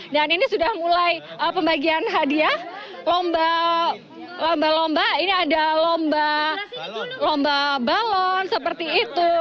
dan ini sudah mulai pembagian hadiah lomba lomba ini ada lomba balon seperti itu